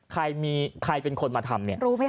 ใครมีใครเป็นคนมาทำเนี่ยรู้ไหมค